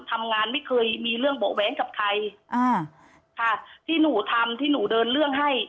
ทำงานไม่เคยมีเรื่องเบาแหวนกับใครที่หนูทำที่หนูเดินเรื่องให้